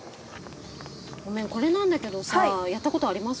ごめんこれなんだけどさぁやったことあります？